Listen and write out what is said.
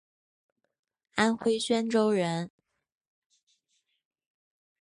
安徽宣州人。